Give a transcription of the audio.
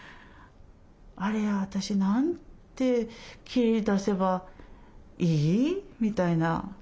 「あれ私何て切り出せばいい？」みたいな。